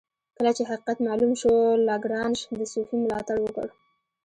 کله چې حقیقت معلوم شو لاګرانژ د صوفي ملاتړ وکړ.